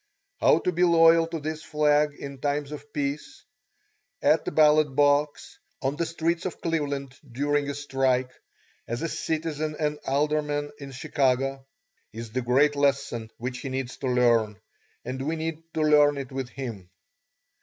How to be loyal to this flag in times of peace; at the ballot box, on the streets of Cleveland during a strike, as a citizen and alderman in Chicago, is the great lesson which he needs to learn, and we need to learn it with him.